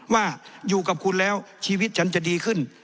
ว่าอยู่กับคุณแล้วชีวิตฉันจะดีขึ้น